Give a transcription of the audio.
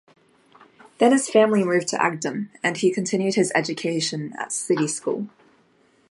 Then his family moved to Agdam and he continued his education at city school.